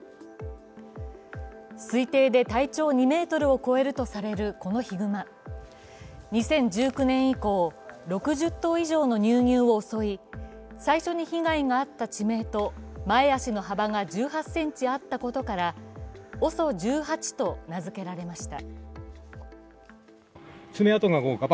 推定で体長２ｍを超えるとされ、このヒグマ。２０１９年以降、６０頭以上の乳牛を襲い最初に被害があった地名と前足の幅が１８ｃｍあったことからＯＳＯ１８と名付けられました。